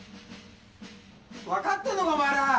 分かってんのかお前ら！